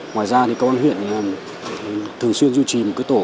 ngoài ra thì công an huyện thường xuyên duy trì một cái tổ